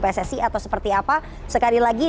pssi atau seperti apa sekali lagi